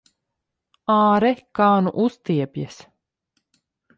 Āre, kā nu uztiepjas!